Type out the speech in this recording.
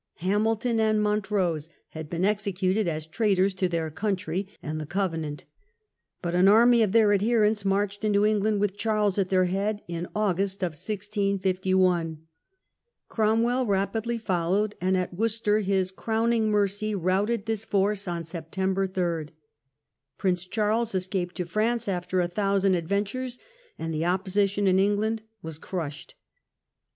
Hamilton and Montrose had been executed as traitors to their country and the Cove nant, but an army of their adherents marched into Eng land with Charles at their head in August, 165 1. Crom well rapidly followed, and at Worcester, his " Crowning Mercy", routed this force on September 3. Prince Charles escaped to France after a thousand adventures, and the opposition in England was crushed.